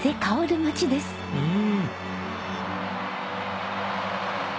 うん。